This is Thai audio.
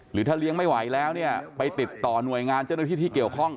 หรือถ้าเลี้ยงไม่ไหวแล้วเนี่ยไปติดต่อหน่วยงานเจ้าหน้าที่ที่เกี่ยวข้อง